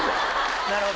なるほど。